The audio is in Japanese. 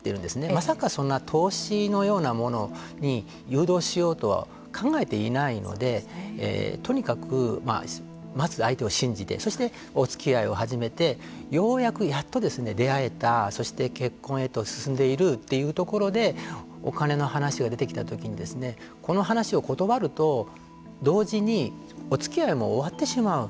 まさかそんな投資のようなものに誘導しようとは考えていないのでとにかく、まず相手を信じてそして、おつきあいを始めてようやくやっと出会えたそして結婚へと進んでいるというところでお金の話が出てきたときにこの話を断ると同時におつきあいも終わってしまう。